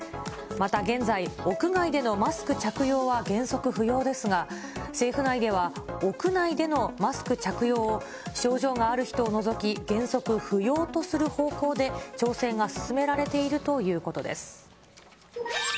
また現在、屋外でのマスク着用は原則不要ですが、政府内では、屋内でのマスク着用を症状がある人を除き、原則不要とする方向で調整が進められているということです。